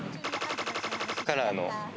カラーの。